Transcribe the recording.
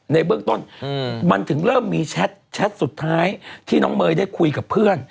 ในเบื้องต้นมันถึงเริ่มมีแชทสุดท้ายที่น้องเมย์ได้คุยกับเพื่อน